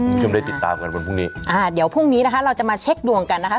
คุณผู้ชมได้ติดตามกันวันพรุ่งนี้อ่าเดี๋ยวพรุ่งนี้นะคะเราจะมาเช็คดวงกันนะคะ